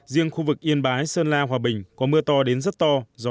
riêng khu vực yên bái sơn la hòa bình có mưa to đến rất to